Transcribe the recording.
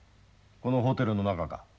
このホテルの中か？